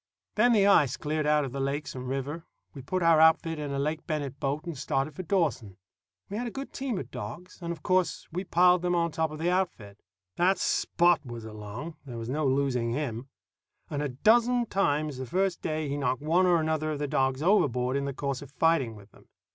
When the ice cleared out of the lakes and river, we put our outfit in a Lake Bennet boat and started for Dawson. We had a good team of dogs, and of course we piled them on top the outfit. That Spot was along there was no losing him; and a dozen times, the first day, he knocked one or another of the dogs overboard in the course of fighting with them.